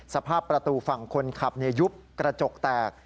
สภาพประตูฝั่งคนขับยุบกระจกแตก